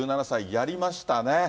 １７歳、やりましたね。